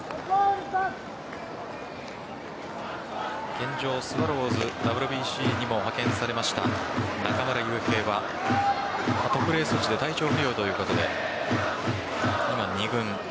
現状、スワローズＷＢＣにも派遣されました中村悠平は特例措置で体調不良ということで今、二軍。